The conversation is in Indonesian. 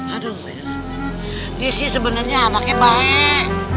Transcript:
aduh dia sih sebenernya anaknya baik